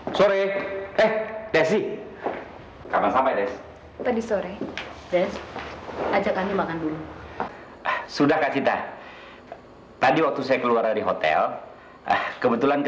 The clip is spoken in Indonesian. tidak ada yang bisa dikira lagi makanya dalam menghadapi satu persoalan kita harus tenang berkepala dingin